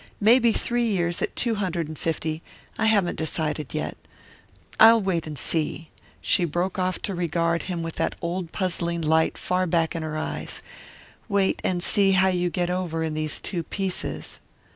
Maybe three years at two hundred and fifty, I haven't decided yet. I'll wait and see " she broke off to regard him with that old puzzling light far back in her eyes "wait and see how you get over in these two pieces."